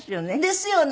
ですよね。